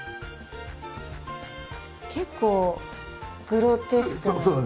結構グロテスクな。